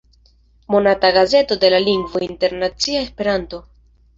Monata gazeto de la lingvo internacia 'Esperanto"'.